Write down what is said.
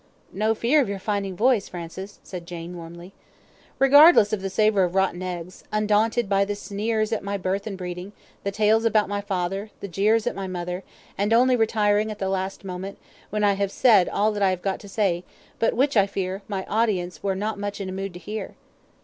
"No fear of your finding voice, Francis," said Jane, warmly. "Regardless of the savour of rotten eggs; undaunted by the sneers at my birth and breeding; the tales about my father, the jeers at my mother; and only retiring at the last moment, when I have said all that I have got to say, but which, I fear, my audience were not much in a mood to hear.